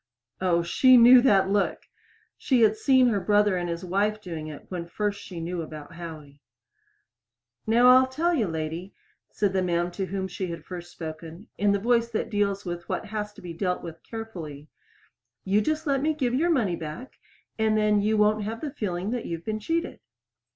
Oh, she knew that look! She had seen her brother and his wife doing it when first she knew about Howie. "Now I'll tell you, lady," said the man to whom she had first spoken, in the voice that deals with what has to be dealt with carefully, "you just let me give you your money back, then you won't have the feeling that you've been cheated."